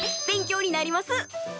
勉強になります！